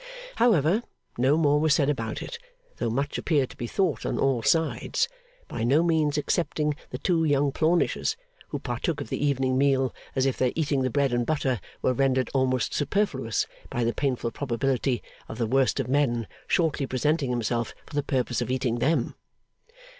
However, no more was said about it, though much appeared to be thought on all sides: by no means excepting the two young Plornishes, who partook of the evening meal as if their eating the bread and butter were rendered almost superfluous by the painful probability of the worst of men shortly presenting himself for the purpose of eating them.